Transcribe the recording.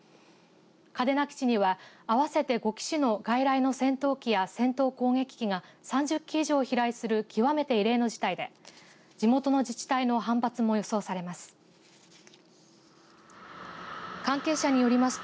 嘉手納基地には合わせて５機種の外来の戦闘機や戦闘攻撃機が３０機以上飛来する極めて異例の事態で地元の自治体の反発も予想されます。